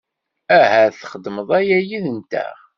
Ahat txedmeḍ aya yid-nteɣ.